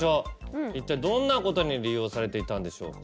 一体どんなことに利用されていたんでしょうか？